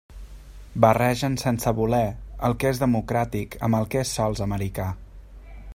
Barregen sense voler el que és democràtic amb el que és sols americà.